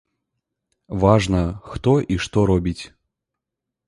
Важна, хто і што робіць.